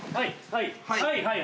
はいはい。